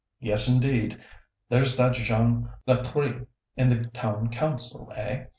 Yes, indeed! There's that Jean Latrouille in the Town Council, eh?